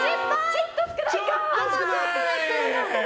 ちょっと少なかったか。